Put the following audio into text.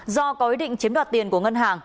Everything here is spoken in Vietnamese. do có ý định chiếm đoạt tiền của ngân hàng